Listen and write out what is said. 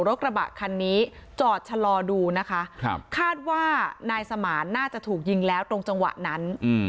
กระบะคันนี้จอดชะลอดูนะคะคาดว่านายสมานน่าจะถูกยิงแล้วตรงจังหวะนั้น